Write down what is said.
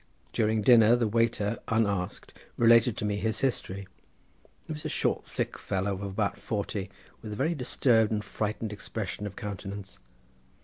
During dinner the waiter unasked related to me his history. He was a short thick fellow of about forty, with a very disturbed and frightened expression of countenance.